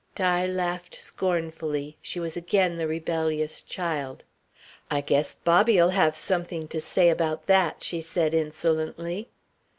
Di laughed scornfully she was again the rebellious child. "I guess Bobby'll have something to say about that," she said insolently.